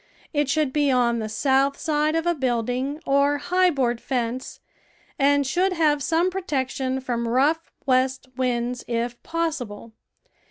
It should be on the south side of a building or high board fence, and should have some protection from rough west winds if possi ble.